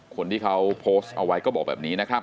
คนที่เขาโพสต์เอาไว้ก็บอกแบบนี้นะครับ